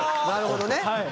なるほどね。